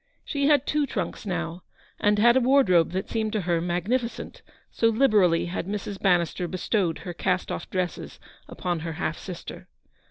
She had two trunks now, and had a wardrobe that seemed to her magnificent, so liberally had Mrs. Ban nister bestowed her cast off dresses upon her half sister.